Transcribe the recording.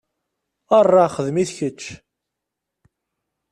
Aṛṛa xdem-it kečč!